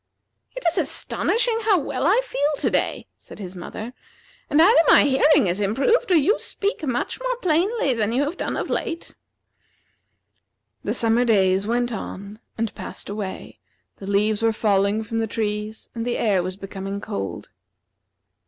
"It is astonishing how well I feel to day," said his mother; "and either my hearing has improved or you speak much more plainly than you have done of late." The summer days went on and passed away, the leaves were falling from the trees, and the air was becoming cold.